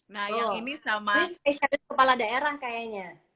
nah yang ini sama spesialis kepala daerah kayaknya